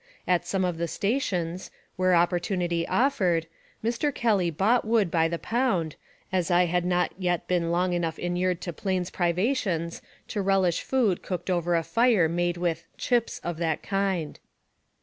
At some of the stations, where opportunity offered, Mr. Kelly bought wood by the pound, as I had not yet been long enough inured to plains priva tions to relish food cooked over a fire made with " chips " of that kind.